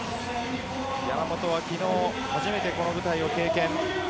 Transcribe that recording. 山本は昨日初めてこの舞台を経験。